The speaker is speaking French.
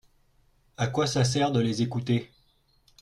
À quoi ça sert de les écouter ?